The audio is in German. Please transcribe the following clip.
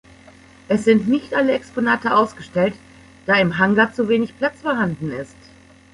Es sind nicht alle Exponate ausgestellt, da im Hangar zu wenig Platz vorhanden ist.